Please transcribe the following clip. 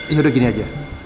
yaudah gini aja